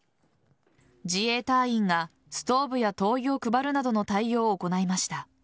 自衛隊員がストーブや灯油を配るなどの対応を行いました。